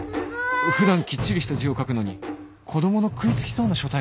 普段きっちりした字を書くのに子供の食い付きそうな書体を使ってきた